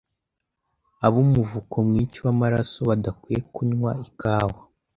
ab’umuvuko mwinshi w’amaraso badakwiye kunywa ikawa